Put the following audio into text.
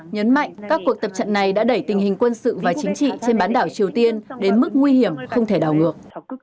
nhấn mạnh các cuộc tập trận này đã đẩy tình hình quân sự và chính trị trên bán đảo triều tiên đến mức nguy hiểm không thể đảo ngược